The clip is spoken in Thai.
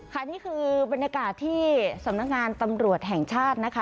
ค่ะนี่คือบรรยากาศที่สำนักงานตำรวจแห่งชาตินะคะ